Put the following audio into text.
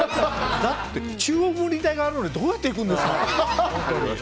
だって、中央分離帯があるのにどうやって行くんですか？